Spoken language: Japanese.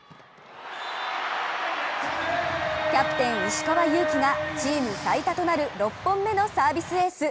キャプテン・石川祐希がチーム最多となる６本目のサービスエース。